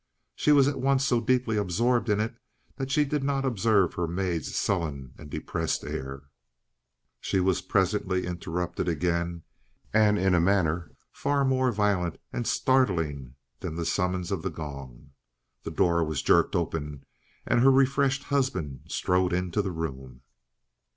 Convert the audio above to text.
She was at once so deeply absorbed in it that she did not observe her maid's sullen and depressed air. She was presently interrupted again, and in a manner far more violent and startling than the summons of the gong. The door was jerked open, and her refreshed husband strode into the room.